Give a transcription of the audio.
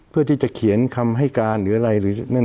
เพื่อที่จะเขียนคำให้การหรืออะไร